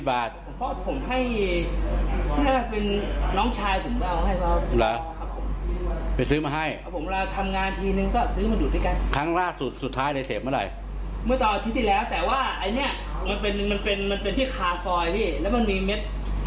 มันเป็นที่คาร์สเฟย์แล้วมันมีเม็ด